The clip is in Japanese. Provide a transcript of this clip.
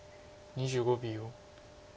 ２５秒。